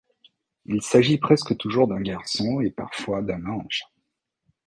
Il s'agit presque toujours d'un garçon et parfois d'un ange.